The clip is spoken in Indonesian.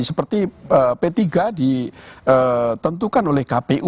seperti p tiga ditentukan oleh kpu